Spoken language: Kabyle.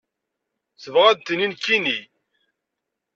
Tebɣa ad d-tini nekkni?